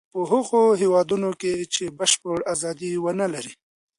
په هغو هېوادونو کې چې بشپړه ازادي و نه لري.